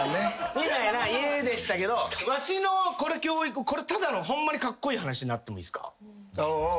みたいな家でしたけどわしのこれただのホンマにカッコイイ話になってもいいですか？